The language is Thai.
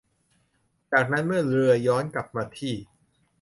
จากนั้นเมื่อเรือย้อนกลับมาที่